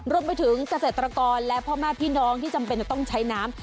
รวมไปถึงเกษตรกรและพ่อแม่พี่น้องที่จำเป็นจะต้องใช้น้ำ